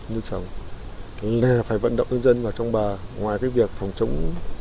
là phải vận động nhân dân vào trong bờ ngoài cái việc phòng chống